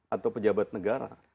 atau pejabat negara